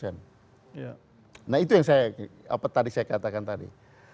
nah itu yang saya katakan tadi